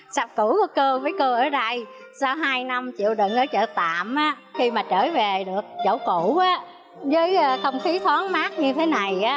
sạp cửa của cô mấy cô ở đây sau hai năm chịu đựng ở chợ tạm khi mà trở về được chỗ cửa với không khí thoáng mát như thế này